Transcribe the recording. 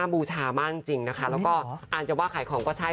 บูชามากจริงนะคะแล้วก็อาจจะว่าขายของก็ใช่